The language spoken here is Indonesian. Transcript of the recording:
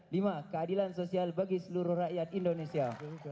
lima keadilan sosial bagi seluruh rakyat indonesia